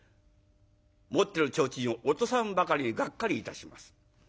持ってる提灯を落とさんばかりにがっかりいたします。